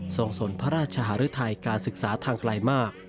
ส่งสนพระราชหารุทัยการศึกษาทางไกลมาก